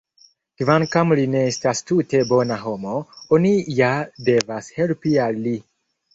Kvankam li ne estas tute bona homo, oni ja devas helpi al li!